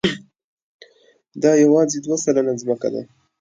دا یواځې دوه سلنه ځمکه ده.